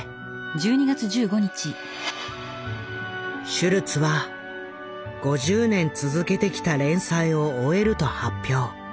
シュルツは５０年続けてきた連載を終えると発表。